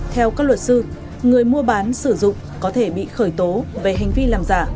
theo các luật sư người mua bán sử dụng có thể bị khởi tố về hành vi làm giả